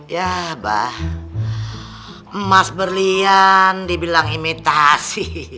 ya bah emas berlian dibilang imitasi